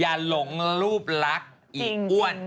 อย่าหลงรูปรักอีกอ้วน